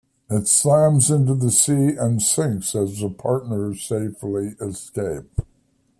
It slams into the sea and sinks as the partners safely escape.